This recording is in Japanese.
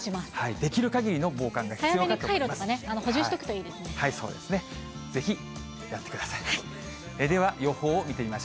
できるかぎりの防寒が必要かと思います。